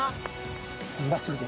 真っすぐで。